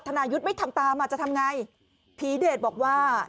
นายุทธ์ไม่ทำตามอ่ะจะทำไงผีเดชบอกว่า